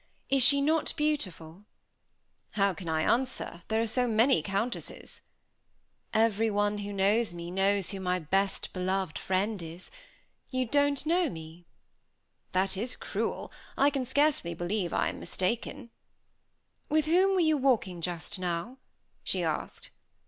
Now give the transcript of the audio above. Is she not beautiful?" "How can I answer, there are so many countesses." "Everyone who knows me, knows who my best beloved friend is. You don't know me?" "That is cruel. I can scarcely believe I am mistaken." "With whom were you walking, just now?" she asked.